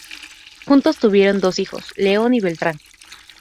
Juntos tuvieron dos hijos: León y Beltrán.